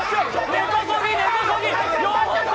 根こそぎ、根こそぎ！